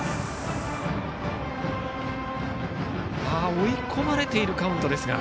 追い込まれているカウントですが。